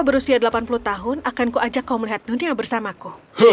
berusia delapan puluh tahun akan ku ajak kau melihat dunia bersamaku